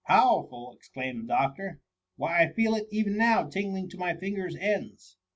"Powerful!" exclaimed the doctor; " why I feel it even now tingling to my fingers' ends.